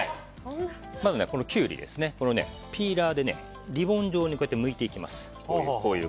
まずはキュウリをピーラーでリボン状にむいていきます。